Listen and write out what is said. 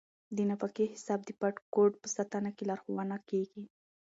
د بانکي حساب د پټ کوډ په ساتنه کې لارښوونه کیږي.